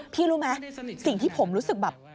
รู้ไหมสิ่งที่ผมรู้สึกแบบ